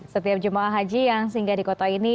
setiap jemaah haji yang singgah di kota ini